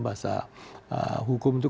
bahasa hukum itu